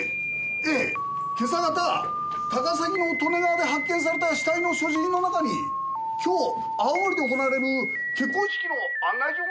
ええ今朝方高崎の利根川で発見された死体の所持品の中に今日青森で行われる結婚式の案内状があったというんです。